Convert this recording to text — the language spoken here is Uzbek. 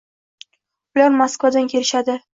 Ular Moskvadan kelishadi